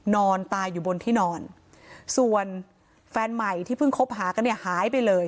นอนตายอยู่บนที่นอนส่วนแฟนใหม่ที่เพิ่งคบหากันเนี่ยหายไปเลย